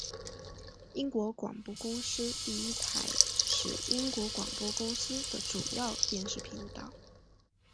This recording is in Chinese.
英国广播公司第一台是英国广播公司的主要电视频道。